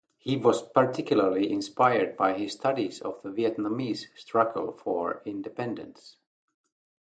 He was particularly inspired by his studies of the Vietnamese struggle for independence.